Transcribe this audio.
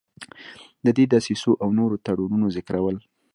د دې دسیسو او نورو تړونونو ذکرول.